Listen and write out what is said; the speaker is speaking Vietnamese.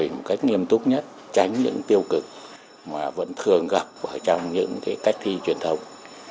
rồi một cách nghiêm túc nhất tránh những tiêu cực mà vẫn thường gặp ở trong những cái cách thi truyền thông